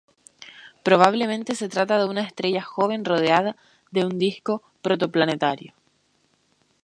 Probablemente se trata de una estrella joven rodeada de un disco protoplanetario.